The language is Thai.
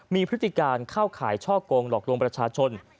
มีพฤติการเข้าข่ายช่อกงหลอกลวงประชาชน